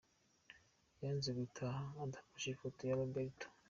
Yanze gutaha adafashe ifoto ya Roberto.